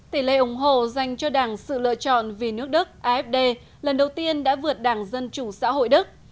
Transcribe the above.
tỷ lệ ủng hộ dành cho đảng sự lựa chọn vì nước đức afd lần đầu tiên đã vượt đảng dân chủ xã hội đức